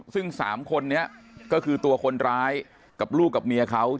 ซึ่ง๓คนนี้ก็คือตัวคนร้ายกับลูกกับเมียเขา